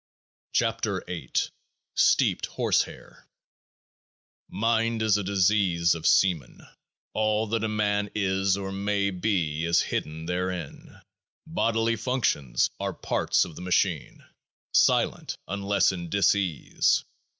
15 KEOAAH H STEEPED HORSEHAIR Mind is a disease of semen. All that a man is or may be is hidden therein. Bodily functions are parts of the machine ; silent, unless in dis ease.